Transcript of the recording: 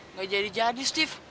nggak jadi jadi steve